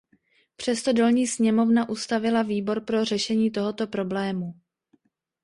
Přesto Dolní sněmovna ustavila výbor pro řešení tohoto problému.